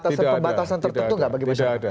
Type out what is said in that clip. batasan pembatasan tertentu nggak bagi masyarakat